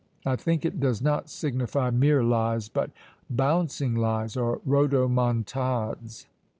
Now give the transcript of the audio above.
I think it does not signify mere lies, but bouncing lies, or rhodomontades.